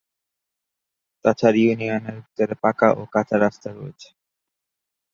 তাছাড়া ইউনিয়নের ভিতরে পাঁকা এবং কাঁচা রাস্তা রয়েছে।